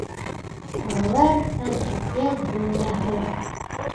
Балалар һәм әкиәт донъяһы